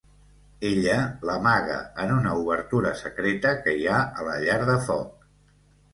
Ella l'amaga en una obertura secreta que hi ha a la llar de foc.